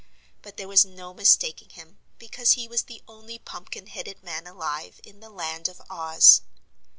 But there was no mistaking him, because he was the only pumpkin headed man alive in the Land of Oz.